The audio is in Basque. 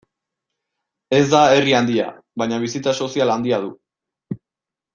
Ez da herri handia, baina bizitza sozial handia du.